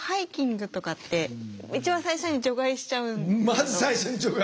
まず最初に除外？